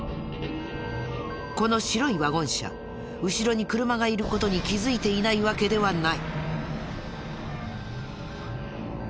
この白いワゴン車後ろに車がいる事に気づいていないわけではない。